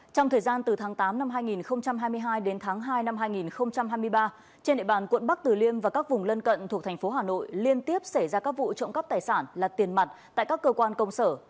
trong thời gian từ tháng tám năm hai nghìn hai mươi hai đến tháng hai năm hai nghìn hai mươi ba trên địa bàn quận bắc tử liêm và các vùng lân cận thuộc thành phố hà nội liên tiếp xảy ra các vụ trộm cắp tài sản là tiền mặt tại các cơ quan công sở